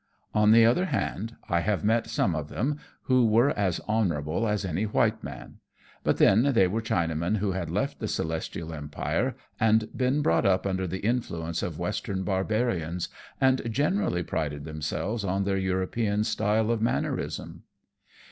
On the other hand, I have met some of them who were as honourable as any white man ; but then they were Chinamen who had left the Celestial Empire, and been brought up under the influence of Western barbarians, and generally prided themselves on their European style of mannerism."